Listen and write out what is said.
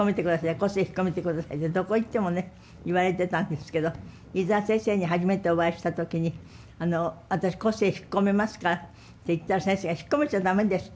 個性引っ込めてくださいってどこ行ってもね言われてたんですけど飯沢先生に初めてお会いした時に「私個性引っ込めますから」って言ったら先生が「引っ込めちゃ駄目です」って。